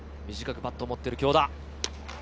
短くバットを持っている京田。